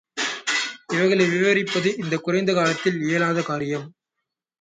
இவைகளை விவரிப்பது இந்தக் குறைந்த காலத்தில் இயலாத காரியம்.